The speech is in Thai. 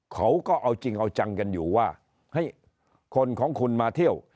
เขาก็เอาจริงเอาจังกันอยู่ว่าคนของคุณมาเที่ยว